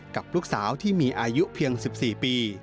กับลูกสาวที่มีอายุเพียง๑๔ปี